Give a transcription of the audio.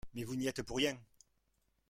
Mais vous n’y êtes pour rien